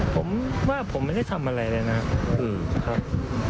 ผมว่าผมไม่ได้ทำอะไรเลยนะครับ